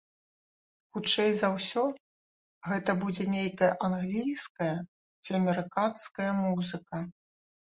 Хутчэй за ўсе, гэта будзе нейкая англійская ці амерыканская музыка.